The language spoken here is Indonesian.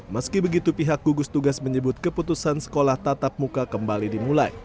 meski begitu pihak gugus tugas menyebut keputusan sekolah tatap muka kembali dimulai